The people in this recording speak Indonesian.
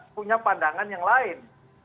punya pandangan yang lain